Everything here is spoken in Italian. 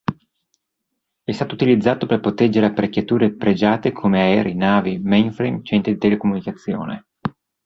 È stato utilizzato per proteggere apparecchiature pregiate come aerei, navi, mainframe, centri di telecomunicazione.